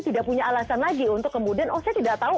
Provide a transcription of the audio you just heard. tidak punya alasan lagi untuk kemudian oh saya tidak tahu